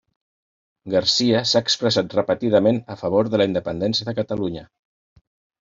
Garcia s'ha expressat repetidament a favor de la independència de Catalunya.